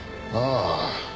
ああ。